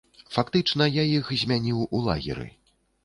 Фактычна, я іх змяніў у лагеры.